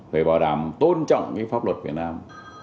phải bảo đảm tôn trọng cái pháp luật việt nam